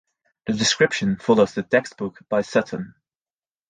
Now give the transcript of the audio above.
The description follows the textbook by Sutton.